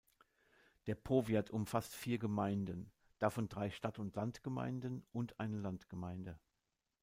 Der Powiat umfasst vier Gemeinden, davon drei Stadt-und-Land-Gemeinden und eine Landgemeinde.